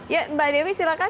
ya mbak dewi silakan